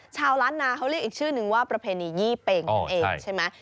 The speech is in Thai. ชาวล้านนาเขาเรียกอีกชื่อนึงว่าประเพณียี่เป็งนั่นเองใช่ไหม